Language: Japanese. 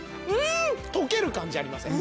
溶ける感じありません？